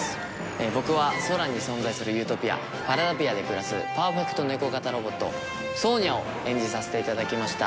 ボクは空に存在するユートピアパラダピアで暮らすパーフェクトネコ型ロボットソーニャを演じさせていただきました。